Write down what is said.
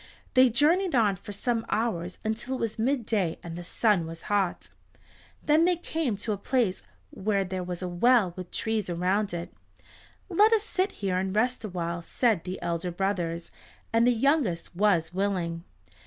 They journeyed on for some hours until it was midday and the sun was hot. Then they came to a place where there was a well with trees around it. "Let us sit here and rest awhile," said the elder brothers, and the youngest was willing.